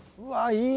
いい！